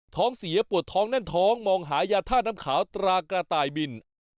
ท้องเสียปวดท้องแน่นท้องมองหายาท่าน้ำขาวตรากระต่ายบิน